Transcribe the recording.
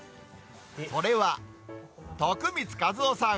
それは、徳光和夫さん。